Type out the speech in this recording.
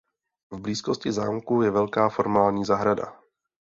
V blízkosti zámku je velká formální zahrada.